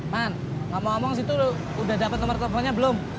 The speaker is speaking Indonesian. man ngomong ngomong situ udah dapat nomor teleponnya belum